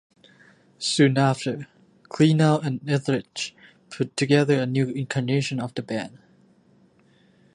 Soon after, Kleinow and Ethridge put together a new incarnation of the band.